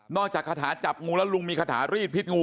นอกจากขาดหาจับงูแล้วลุงมีขาดหารีดพิษงู